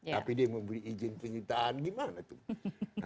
tapi dia memberi izin penyitaan gimana tuh